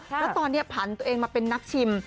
แล้วตอนนี้ผันตัวเองมาเป็นนักชิม